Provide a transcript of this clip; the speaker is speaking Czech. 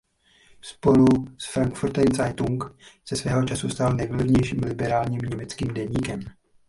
Spolu s Frankfurter Zeitung se svého času stal nejvlivnějším liberálním německým deníkem.